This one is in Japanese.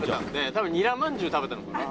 「多分ニラまんじゅうを食べたのかな？」